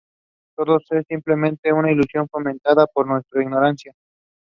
Other copies have been experimented on with vivisection.